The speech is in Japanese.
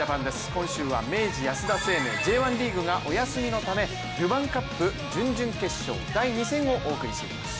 今週は明治安田生命Ｊ１リーグがお休みのためルヴァンカップ準々決勝第２戦をお送りしていきます。